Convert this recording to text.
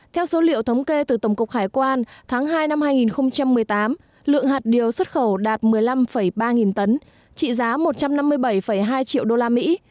theo số liệu thống kê từ tổng cục hải quan tháng hai năm hai nghìn một mươi tám lượng hạt điều xuất khẩu đạt một mươi năm ba nghìn tấn trị giá một trăm năm mươi bảy hai triệu đô la mỹ